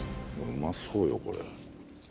うまそうよこれ。